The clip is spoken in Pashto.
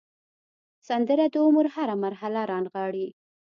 سندره د عمر هره مرحله رانغاړي